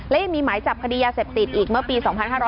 และยังมีหมายจับคดียาเสพติดอีกเมื่อปี๒๕๕๙